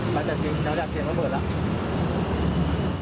กลับแถมเสียงระเบิดละ